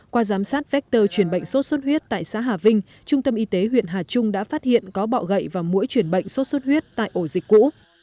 qua giám sát vector chuyển bệnh sốt xuất huyết tại xã hà vinh trung tâm y tế huyện hà trung đã phát hiện có bọ gậy và mũi chuyển bệnh sốt xuất huyết tại ổ dịch cũ